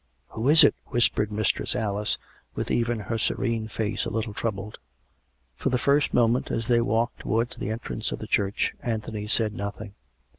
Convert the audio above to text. "Who is it.''" whispered Mistress Alice, with even her serene face a little troubled. For the first moment, as they walked towards the en trance of the church, Anthony said nothing.